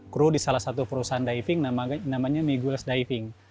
kru di salah satu perusahaan diving namanya migul renggak